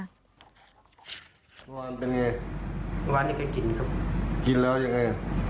มันเป็นไงเมื่อวานนี้ก็กินครับกินแล้วยังไง